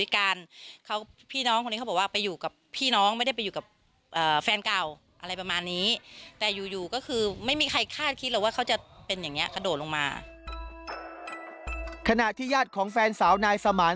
ขณะที่ญาติของแฟนสาวนายสมาน